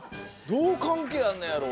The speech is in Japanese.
どう関係あんねやろ。